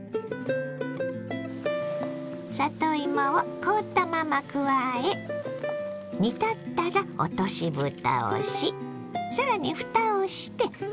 里芋を凍ったまま加え煮立ったら落としぶたをし更にふたをして１０分ほど煮ます。